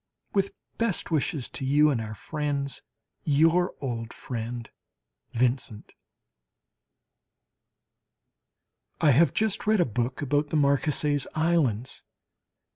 With best wishes to you and our friends. Your old friend VINCENT. I have just read a book about the Marquesas Islands.